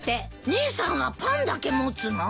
姉さんはパンだけ持つの？